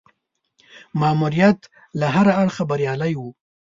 ماموریت له هره اړخه بریالی وو.